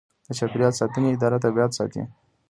د چاپیریال ساتنې اداره طبیعت ساتي